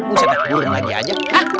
buset lah burung lagi aja